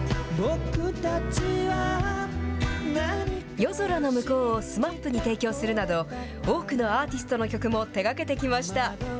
夜空ノムコウをＳＭＡＰに提供するなど、多くのアーティストの曲も手がけてきました。